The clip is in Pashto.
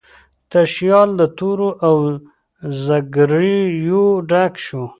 تشیال د تورو او زګیرویو ډک شو